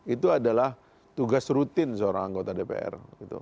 itu adalah tugas rutin seorang anggota dpr